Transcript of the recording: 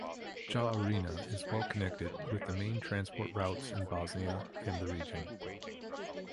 Jahorina is well-connected with the main transport routes in Bosnia and the region.